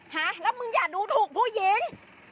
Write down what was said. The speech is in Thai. ฮะแล้วมึงอย่าดูถูกผู้หญิง